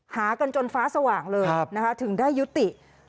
หากันจนฟ้าสว่างเลยถึงได้ยุติ